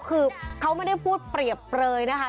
คือเขาไม่ได้พูดเปรียบเปลยนะคะ